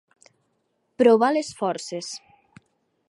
Provar les forces.